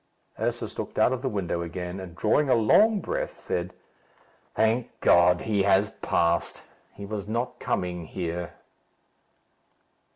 Ursus looked out of the window again, and drawing a long breath, said, "Thank God! He has passed. He was not coming here."